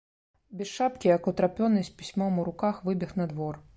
Без шапкі, як утрапёны, з пісьмом у руках выбег на двор.